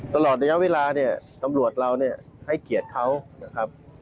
ตลอดระยะเวลาเนี่ยตำรวจเราเนี่ยให้เกียรติเขานะครับ